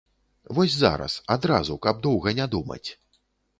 Вось зараз, адразу, каб доўга не думаць.